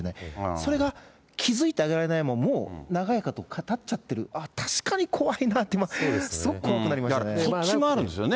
それが気付いてあげられないまま、もう長いことたっちゃってる、ああ、確かに怖いなって、そっちもあるんですよね。